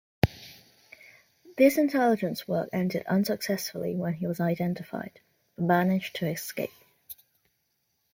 This intelligence work ended unsuccessfully when he was identified, but managed to escape.